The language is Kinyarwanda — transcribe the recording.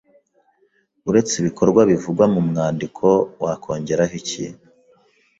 Uretse ibikorwa bivugwa mu mwandiko wakongeraho iki